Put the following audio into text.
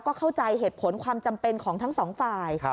ก็เข้าใจเหตุผลความจำเป็นของทั้งสองฝ่าย